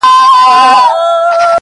چي منگول يې ټينگ پر سر د بيزو وان سول٫